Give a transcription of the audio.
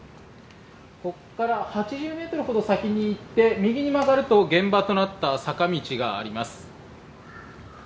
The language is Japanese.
ここから８０ｍほど先に行って右に曲がると現場となった坂道があります。